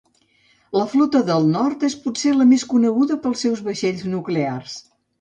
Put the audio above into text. La Flota del Nord és potser la més coneguda pels seus vaixells nuclears.